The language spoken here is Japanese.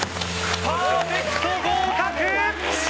パーフェクト合格！